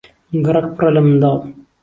گەڕەک پڕە لە منداڵ.